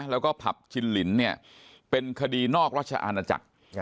แล้วก็ผับชินลินเป็นคดีนอกราชอาณาจักร